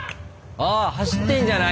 ああ走ってんじゃない？